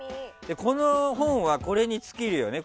この本はこれに尽きるよね